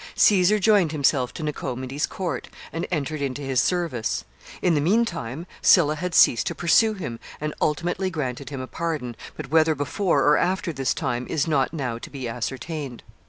Caesar joined himself to Nicomedes's court, and entered into his service. In the mean time, Sylla had ceased to pursue him, and ultimately granted him a pardon, but whether before or after this time is not now to be ascertained.